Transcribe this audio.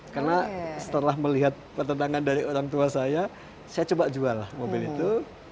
karena setelah melihat pertandangan dari orang tua saya saya coba jual mobil itu